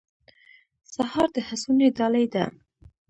سهار د هڅونې ډالۍ ده.